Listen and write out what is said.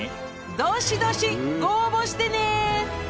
どしどし応募してね！